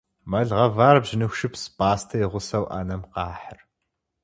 Мэл гъэвар бжьыныху шыпс, пӀастэ и гъусэу Ӏэнэм къахьыр.